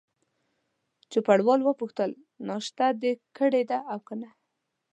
چوپړوال وپوښتل: ناشته دي کړې ده او که نه؟